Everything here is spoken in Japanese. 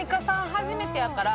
初めてやから。